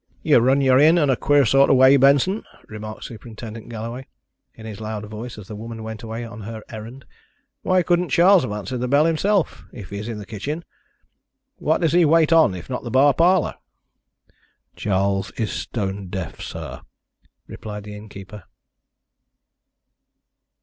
"You run your inn in a queer sort of way, Benson," remarked Superintendent Galloway, in his loud voice, as the woman went away on her errand. "Why couldn't Charles have answered the bell himself, if he is in the kitchen? What does he wait on, if not the bar parlour?" "Charles is stone deaf, sir," replied the innkeeper.